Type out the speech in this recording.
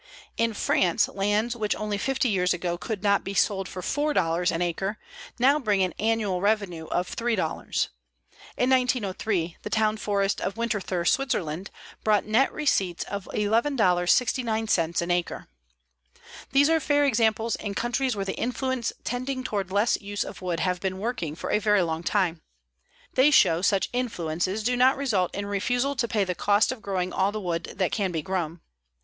In France lands which only fifty years ago could not be sold for $4 an acre now bring an annual revenue of $3. In 1903 the town forest of Winterthur, Switzerland, brought net receipts of $11.69 an acre. These are fair examples in countries where the influence tending toward less use of wood have been working for a very long time. They show such influences do not result in refusal to pay the cost of growing all the wood that can be grown.